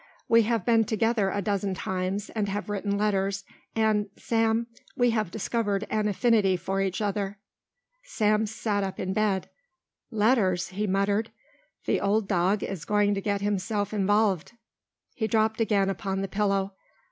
We have been together a dozen times and have written letters, and, Sam, we have discovered an affinity for each other." Sam sat up in bed. "Letters!" he muttered. "The old dog is going to get himself involved." He dropped again upon the pillow.